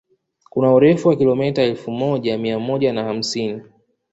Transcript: Kuna urefu wa kilomita elfu moja mia moja na hamsini